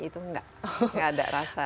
itu enggak enggak ada rasa